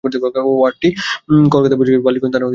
ওয়ার্ডটি কলকাতা পুলিশের বালিগঞ্জ থানা পরিবেশন করে।